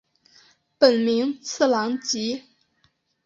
本名次郎吉。